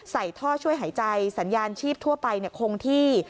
ท่อช่วยหายใจสัญญาณชีพทั่วไปคงที่